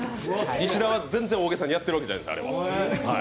石田は全然、大げさにやってるわけではないです、あれで。